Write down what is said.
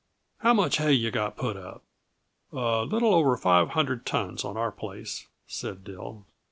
How much hay yuh got put up?" "A little over five hundred tons on our place," said Dill.